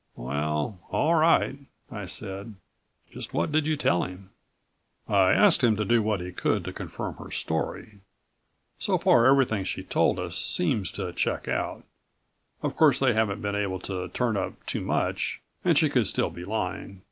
"Well ... all right," I said. "Just what did you tell him." "I asked him to do what he could to confirm her story. So far everything she told us seems to check out. Of course, they haven't been able to turn up too much, and she could still be lying.